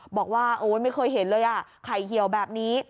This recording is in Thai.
บอกว่าโอ๊ยไม่เคยเห็นเลยอ่ะไข่เหี่ยวแบบนี้